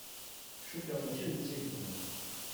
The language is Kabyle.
Cukkeɣ mačči d netta i yebɣan.